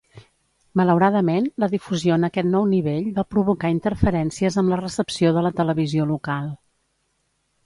Malauradament, la difusió en aquest nou nivell va provocar interferències amb la recepció de la televisió local.